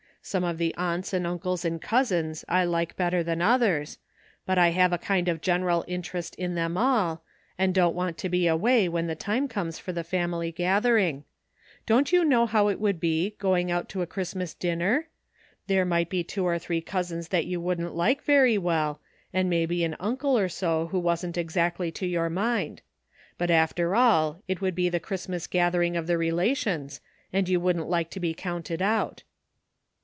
Some of the aunts and uncles and cousins I like better than others, but I have a kind of general inter est in them all, and don't want to be away when the time comes for the family gathering. Don't you know how it would be, going out to a Christmas dinner? There might be two or three cousins that you wouldn't like very well, and maybe an uncle or so who wasn't exactly to your mind ; but after all it would be the Christmas gathering of the relations, and you wouldn't like to be counted out."